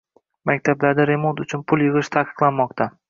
Maktablarda “remont” uchun pul yigʻish taqiqlanmoqda.